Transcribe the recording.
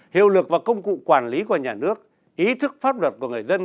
hiệu lực và công cụ quản lý của nhà nước ý thức pháp luật của người dân